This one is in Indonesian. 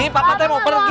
pak pathe mau pergi